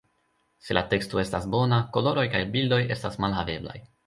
Se la teksto estas bona, koloroj kaj bildoj estas malhaveblaj.